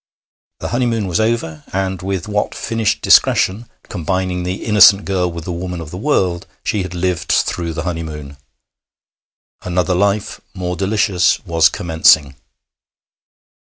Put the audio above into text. The honeymoon was over and with what finished discretion, combining the innocent girl with the woman of the world, she had lived through the honeymoon! another life, more delicious, was commencing.